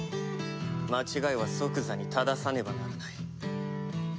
間違いは即座に正さねばならない。